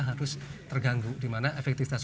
harus terganggu dimana efektivitas